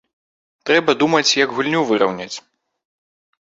Трэба думаць, як гульню выраўняць.